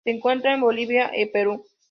Se encuentra en Bolivia e Perú.